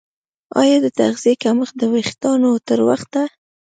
ایا د تغذیې کمښت د ویښتانو تر وخته